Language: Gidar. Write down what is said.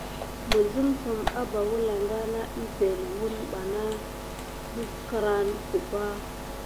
Misem zim abà wəlaŋga nat epəŋle wune ɓana sikué migrana kubà.